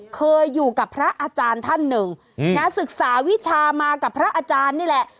เคยอยู่กับพระอาจารย์ท่านหนึ่งนะศึกษาวิชามากับพระอาจารย์นี่แหละ